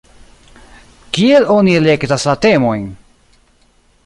Kiel oni elektas la temojn?